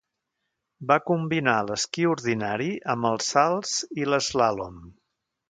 Va combinar l'esquí ordinari amb els salts i l'eslàlom.